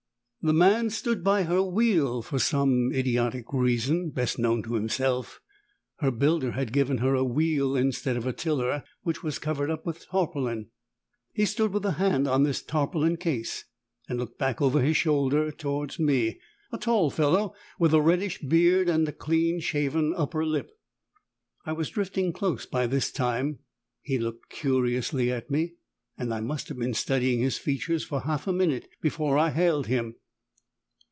The man stood by her wheel (for some idiotic reason, best known to himself, her builder had given her a wheel instead of a tiller), which was covered up with tarpaulin. He stood with a hand on this tarpaulin case, and looked back over his shoulder towards me a tall fellow with a reddish beard and a clean shaven upper lip. I was drifting close by this time he looking curiously at me and I must have been studying his features for half a minute before I hailed him.